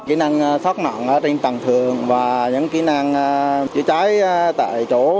kỹ năng thoát nạn trên tầng thường và những kỹ năng chữa cháy tại chỗ